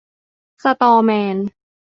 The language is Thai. สะตอแมน